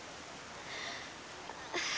ああ。